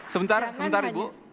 sebentar sebentar ibu